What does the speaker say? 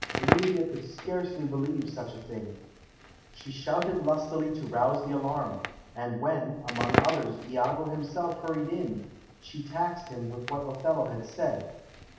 Emilia could scarcely believe such a thing. She shouted lustily to rouse the alarm, and when, among others, Iago himself hurried in, she taxed him with what Othello had said.